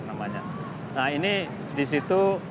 namanya nah ini disitu